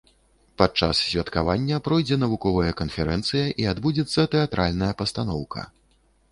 Падчас святкавання пройдзе навуковая канферэнцыя і адбудзецца тэатральная пастаноўка.